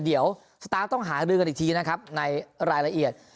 เดี๋ยวสตาร์ฟต้องหารือกันอีกทีนะครับในรายละเอียด